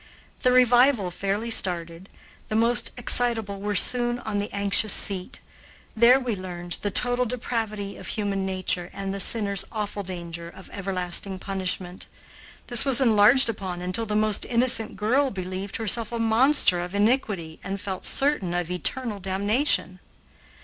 The revival fairly started, the most excitable were soon on the anxious seat. There we learned the total depravity of human nature and the sinner's awful danger of everlasting punishment. This was enlarged upon until the most innocent girl believed herself a monster of iniquity and felt certain of eternal damnation.